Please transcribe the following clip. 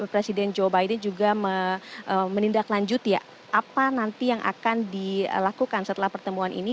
presiden joe biden juga menindaklanjuti apa nanti yang akan dilakukan setelah pertemuan ini